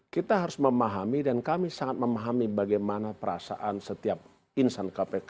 kita harus memahami dan kami sangat memahami bagaimana perasaan setiap insan kpk